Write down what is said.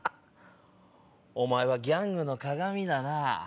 お前はギャングのかがみだな。